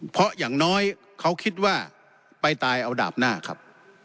เพราะอย่างน้อยเขาคิดว่าไปตายเอาดาบหน้าครับ